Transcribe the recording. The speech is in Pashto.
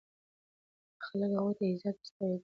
خلک هغوی ته د عزت په سترګه ګوري.